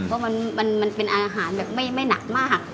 เพราะมันเป็นอาหารแบบไม่หนักมาก